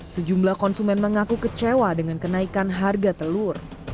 sejumlah konsumen mengaku kecewa dengan kenaikan harga telur